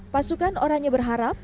pasukan oranya berharap